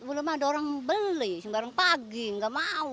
bulem ada orang beli sembarang pagi gak mau